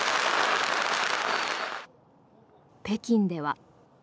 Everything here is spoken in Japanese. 北京では。